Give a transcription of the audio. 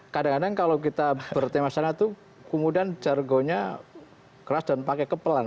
kadang kadang kalau kita bertema sana itu kemudian jargonya keras dan pakai kepelan